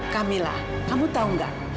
kamilah kamu tahu tidak